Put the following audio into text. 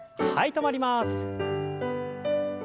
止まります。